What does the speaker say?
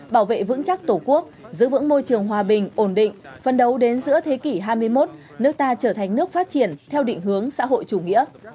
bảo vệ vững chắc tổ quốc giữ vững môi trường hòa bình ổn định phân đấu đến giữa thế kỷ hai mươi một nước ta trở thành nước phát triển theo định hướng xã hội chủ nghĩa